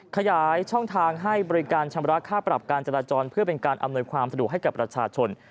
ขยายช่องทางให้บริการชำระค่าปรับการจราจรเพื่อเป็นการอำนวยความสะดวกให้กับประชาชน